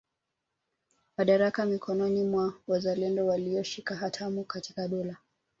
Madaraka mikononi mwa wazalendo walioshika hatamu katika dola